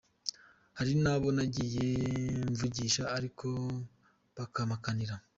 Hari n’abo nagiye mvugisha ariko bakampakanira.